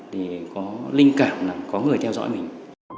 thì có linh cảm là có người theo dõi mình